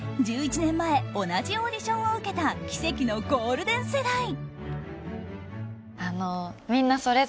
１１年前同じオーディションを受けた奇跡のゴールデン世代。